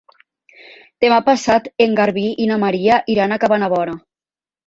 Demà passat en Garbí i na Maria iran a Cabanabona.